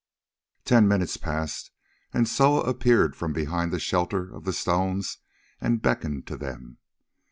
Ten minutes passed, and Soa appeared from behind the shelter of the stones and beckoned to them.